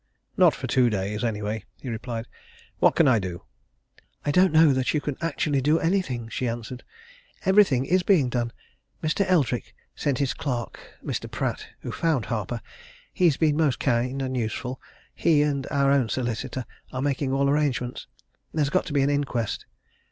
"Not for two days, anyway," he replied. "What can I do?" "I don't know that you can actually do anything," she answered. "Everything is being done. Mr. Eldrick sent his clerk, Mr. Pratt who found Harper he's been most kind and useful. He and our own solicitor are making all arrangements. There's got to be an inquest.